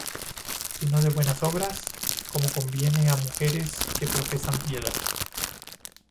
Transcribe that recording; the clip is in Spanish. Sino de buenas obras, como conviene á mujeres que profesan piedad.